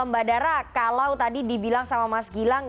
mbak dara kalau tadi dibilang sama mas gilang